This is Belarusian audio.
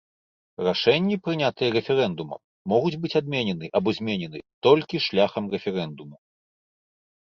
Рашэнні, прынятыя рэферэндумам, могуць быць адменены або зменены толькі шляхам рэферэндуму.